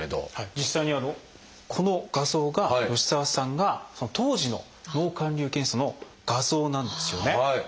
実際にこの画像が吉澤さんが当時の脳灌流検査の画像なんですよね。